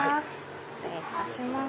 失礼いたします。